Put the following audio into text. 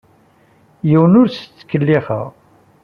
Yiwen ur as-ttkellixeɣ.